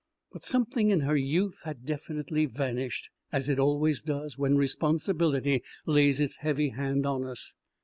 But something in her youth had definitely vanished, as it always does when responsibility lays its heavy hand on us.